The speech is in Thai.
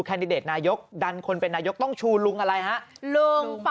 แคนทลิเดตนายทยกดนคนเป็นนายทยกต้องชูลุงอะไรฮะลูง